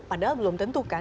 padahal belum tentukan